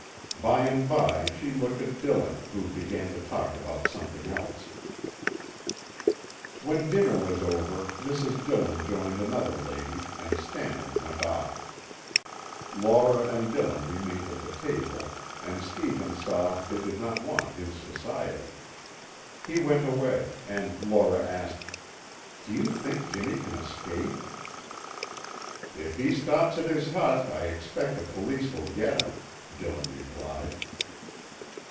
By and by she looked at Dillon, who began to talk about something else. When dinner was over Mrs. Dillon joined another lady and Stannard went off. Laura and Dillon remained at the table and Stevens saw they did not want his society. He went away and Laura asked: "Do you think Jimmy can escape?" "If he stops at his hut, I expect the police will get him," Dillon replied.